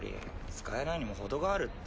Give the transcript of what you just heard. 使えないにも程があるって。